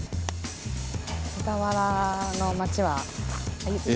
小田原の町は。